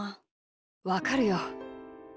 わかるよ。